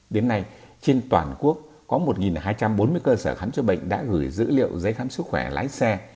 đến nay trên toàn quốc có một hai trăm bốn mươi cơ sở khám chữa bệnh đã gửi dữ liệu giấy khám sức khỏe lái xe